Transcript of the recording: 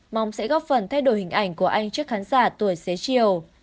mong sẽ góp phần thay đổi hình ảnh của anh trước khán giả tuổi xế chiều